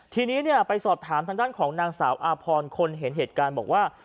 ทีนี้ไปสอบถามทางด้านของนางสาวอาพรคนเห็นเหตุการณ์บอกว่า